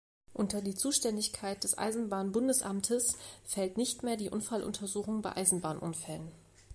Unter die Zuständigkeit des Eisenbahn-Bundesamtes fällt nicht mehr die Unfalluntersuchung bei Eisenbahnunfällen.